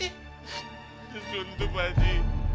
itu suntuk pak haji